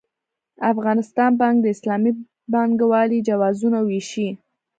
افغانستان بانک د اسلامي بانکوالۍ جوازونه وېشي.